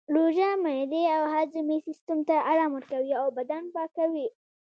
روژه معدې او هاضمې سیستم ته ارام ورکوي او بدن پاکوي